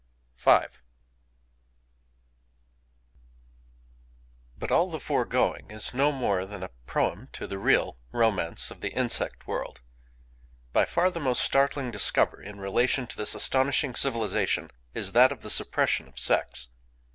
V But all the foregoing is no more than a proem to the real "Romance of the Insect World." —By far the most startling discovery in relation to this astonishing civilization is that of the suppression of sex.